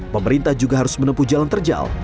pemerintah juga harus menempuh jalan terjal